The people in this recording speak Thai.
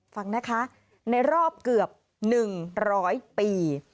ฟังนะคะในรอบเกือบ๑๐๐ปี